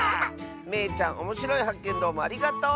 めいちゃんおもしろいはっけんどうもありがとう！